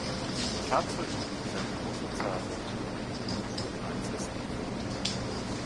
Fahrzeuge mit dieser in großer Zahl erbeuteten Kanonen wurden als Sd.